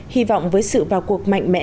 hy vọng với sự vào cuộc mạnh mẽ